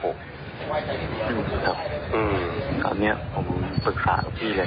ตอนนี้ผมศึกษากับพี่เลย